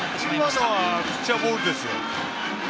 今のはピッチャーのボールですよ。